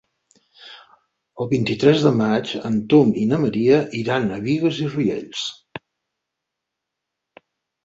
El vint-i-tres de maig en Tom i na Maria iran a Bigues i Riells.